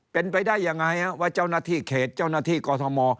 เป็นไปได้ยังไงว่าเจ้าหน้าที่เขตเจ้าหน้าที่กอทม